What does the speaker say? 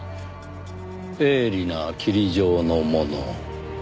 鋭利なキリ状のもの。